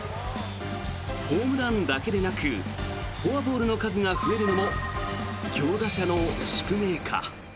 ホームランだけでなくフォアボールの数が増えるのも強打者の宿命か。